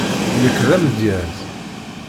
Nekk d amedyaz.